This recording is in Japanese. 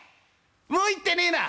もう行ってねえな」。